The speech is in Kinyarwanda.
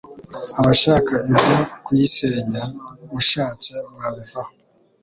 Abashaka ibyo kuyisenya mushatse mwabivaho